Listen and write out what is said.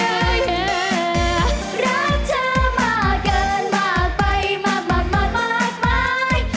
รักเธอมาเกินมากไปมากมากมากมากมากมาก